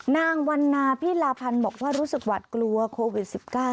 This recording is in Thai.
นางวันนาพิลาพันธ์บอกว่ารู้สึกหวัดกลัวโควิด๑๙